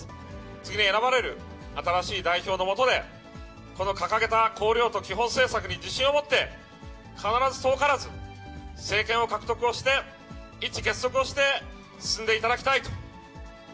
次に選ばれる新しい代表の下で、この掲げた綱領と基本政策に自信を持って、必ず遠からず、政権を獲得をして、一致結束をして進んでいただきたいと。